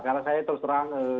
karena saya terus terang